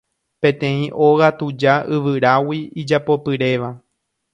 Peteĩ óga tuja yvyrágui ijapopyréva